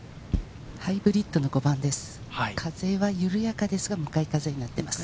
ハイブリッドの５番です。